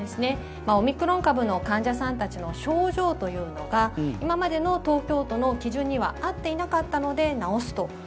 オミクロン株の患者さんたちの症状というのが今までの東京都の基準には合っていなかったので直すと。